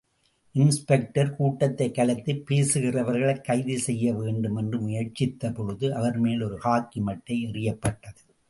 Inspector கூட்டத்தைக் கலைத்துப் பேசுகிறவர்களைக் கைது செய்ய வேண்டுமென்று முயற்சித்தபொழுது அவர்மேல் ஒரு ஹாக்கி மட்டை எறியப்பட்டது.